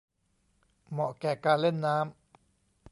เหมาะแก่การเล่นน้ำ